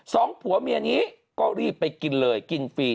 สองผัวเมียนี้ก็รีบไปกินเลยกินฟรี